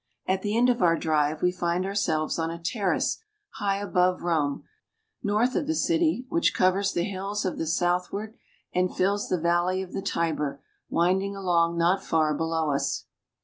At the end of our drive we find ourselves on a terrace high above Rome, north of the city, which covers the hills to the southward and fills the valley of the Tiber winding along not far below us.